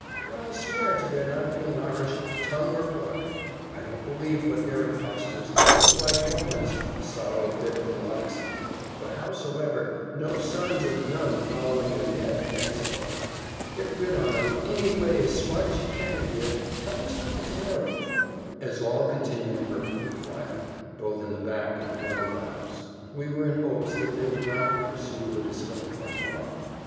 for I'll swear to their not being Irish, tongue or pluck. I don't believe but they're impostors no right Romans, sorrow bit of the likes; but howsomdever, no signs of none following them yet thanks above! Get rid on 'em any way as smart as ye can, dear; tell Mr. Montenero." As all continued perfectly quiet, both in the back and front of the house, we were in hopes that they would not be pursued or discovered by the mob.